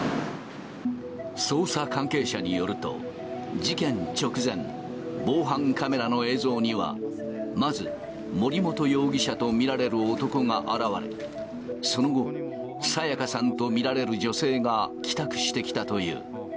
捜査関係者によると、事件直前、防犯カメラの映像には、まず森本容疑者と見られる男が現れ、その後、彩加さんと見られる女性が帰宅してきたという。